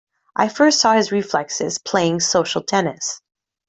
I first saw his reflexes playing social tennis.